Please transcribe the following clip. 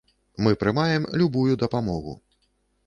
Мы прымаем любую дапамогу.